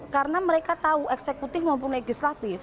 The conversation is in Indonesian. karena mereka tahu eksekutif maupun legislatif